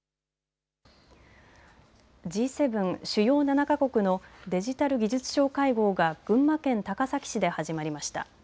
Ｇ７・主要７か国のデジタル・技術相会合が群馬県高崎市で始まりました。